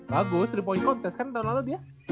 bagus tiga point contest kan tahun lalu dia